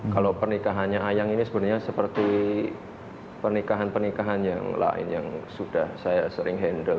kalau pernikahannya ayang ini sebenarnya seperti pernikahan pernikahan yang lain yang sudah saya sering handle